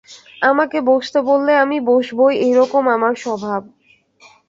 আমাকে বসতে বললে আমি বসবই এইরকম আমার স্বভাব।